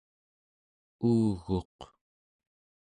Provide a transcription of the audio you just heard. uuguq